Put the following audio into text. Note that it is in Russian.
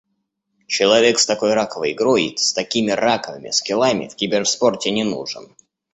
Человек с такой раковой игрой и с такими раковыми скиллами в киберспорте не нужен.